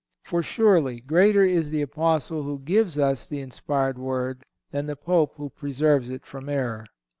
For, surely, greater is the Apostle who gives us the inspired Word than the Pope who preserves it from error.